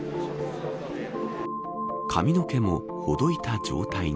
髪の毛も、ほどいた状態に。